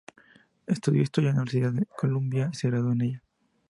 Estudió historia en la Universidad de Columbia y se graduó en ella.